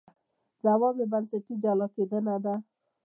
ځواب یې بنسټي جلا کېدنه ده.